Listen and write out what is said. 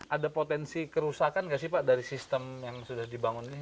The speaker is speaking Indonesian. ada potensi kerusakan nggak sih pak dari sistem yang sudah dibangun ini